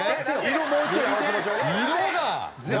色が。